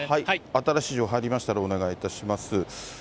新しい情報入りましたらお願いいたします。